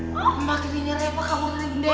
buset makasih ini reva kamu dari gendera tuh